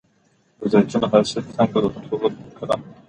د زیتون حاصل څنګه ټول کړم؟